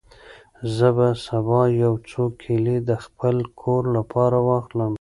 زه به سبا یو څو کیلې د خپل کور لپاره واخلم.